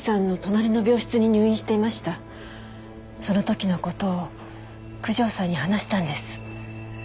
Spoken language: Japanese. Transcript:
そのときのことを九条さんに話したんです。